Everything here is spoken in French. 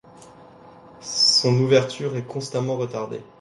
Son ouverture est constamment retardée.